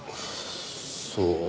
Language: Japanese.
そう？